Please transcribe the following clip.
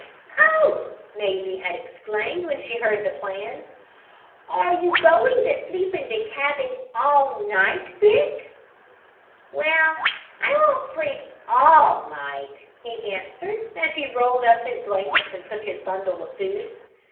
oh!" Mazie had exclaimed when she heard the plans. "Are you going to sleep in the cabin all night, Rick?" "Well, I won't sleep all night," he answered, as he rolled up his blankets and took his bundle of food.